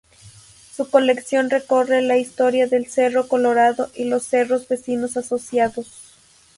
Su colección recorre la historia del Cerro Colorado y los cerros vecinos asociados.